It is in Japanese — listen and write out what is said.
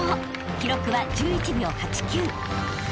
［記録は１１秒８９］